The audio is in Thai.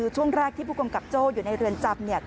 ช่วงแรกที่ผู้กำกับโจ้อยู่ในเรือนจำเนี่ย